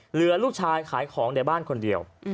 เหลือลูกชายขายของในบ้านคนเดียว